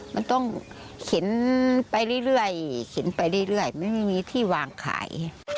มันต้องขินไปเรื่อยไม่มีที่วางขาย